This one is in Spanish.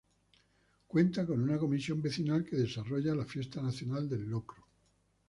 Cuenta con una Comisión Vecinal que desarrolla la Fiesta Nacional del Locro.